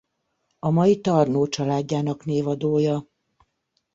A mai Tarnów családjának névadója.